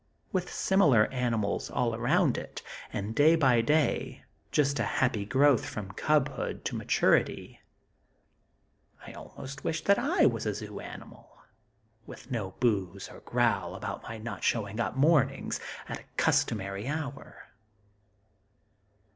With similar animals all around it, and, day by day, just a happy growth from cub hood to maturity, I almost wish that I was a zoo animal, with no boss to growl about my not showing up, mornings, at a customary hour!